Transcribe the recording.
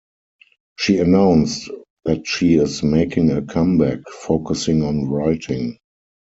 She announced that she is making a comeback, focusing on writing.